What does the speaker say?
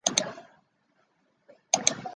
通济街东段有国家级文物北宋代舍利塔重建。